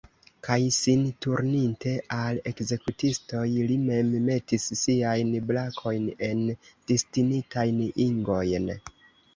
Kaj sin turninte al ekzekutistoj, li mem metis siajn brakojn en destinitajn ingojn.